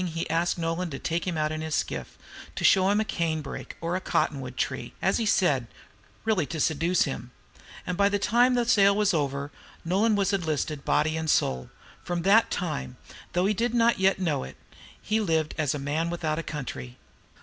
He asked Nolan to take him out in his skiff to show him a canebrake or a cotton wood tree, as he said, really to seduce him; and by the time the sail was over, Nolan was enlisted body and soul. From that time, though he did not yet know it, he lived as A MAN WITHOUT A COUNTRY.